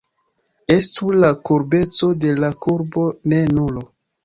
Estu la kurbeco de la kurbo ne nulo.